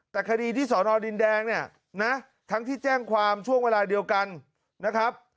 แต่คดีที่สอนอดินแดงเนี่ยนะทั้งที่แจ้งความช่วงเวลาเดียวกันนะครับ